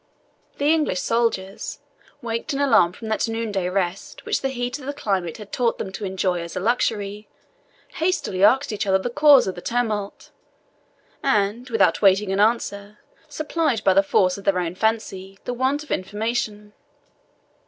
The English soldiers, waked in alarm from that noonday rest which the heat of the climate had taught them to enjoy as a luxury, hastily asked each other the cause of the tumult, and without waiting an answer, supplied by the force of their own fancy the want of information.